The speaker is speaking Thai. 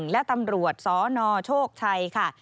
และตำรวจสนโชคชัยค่ะ